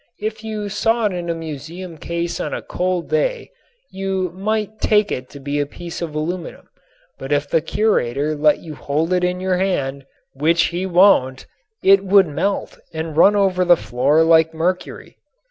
If you saw it in a museum case on a cold day you might take it to be a piece of aluminum, but if the curator let you hold it in your hand which he won't it would melt and run over the floor like mercury.